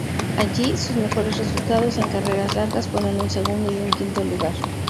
Allí, sus mejores resultados en carreras largas fueron un segundo y un quinto lugar.